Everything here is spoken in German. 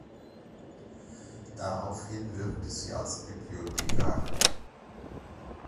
Daraufhin wirkte sie als Bibliothekarin.